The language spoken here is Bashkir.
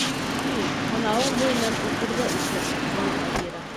— Һи, танауың буйынан үкер ҙә үкер, — тине Багира.